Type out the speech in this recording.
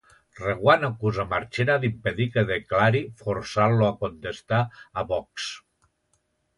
Reguant acusa Marchena d'impedir que declari forçant-lo a contestar a Vox.